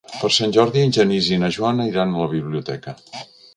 Per Sant Jordi en Genís i na Joana iran a la biblioteca.